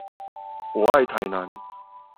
我愛台南